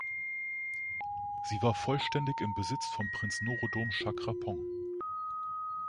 Sie war vollständig im Besitz von Prinz Norodom Chakrapong.